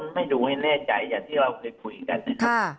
ไม่ดูให้แน่ใจอย่างที่เราเคยคุยกันนะครับ